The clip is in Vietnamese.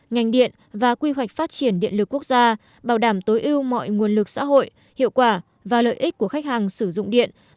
ngành điện và quy hoạch phát triển điện lực quốc gia bảo đảm tối ưu mọi nguồn lực xã hội hiệu quả và lợi ích của khách hàng sử dụng điện